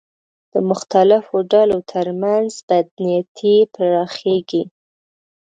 د مختلفو ډلو تر منځ بدنیتۍ پراخېږي